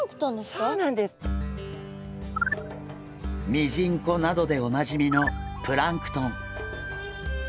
ミジンコなどでおなじみのプランクトン。